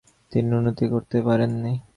তিনি উন্নতি করতে পারেননি।